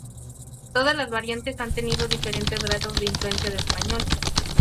Todas las variantes han tenido diferentes grados de influencia de español.